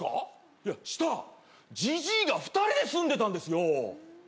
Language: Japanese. いや下じじいが２人で住んでたんですよ